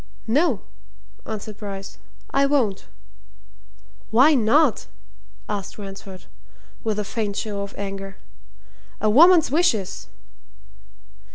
"No!" answered Bryce. "I won't!" "Why not?" asked Ransford, with a faint show of anger. "A woman's wishes!"